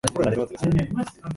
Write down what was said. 可愛い坊ちゃんですね